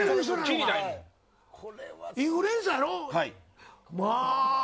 インフルエンサーやろ。